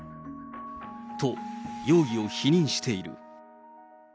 と、容疑を否認している。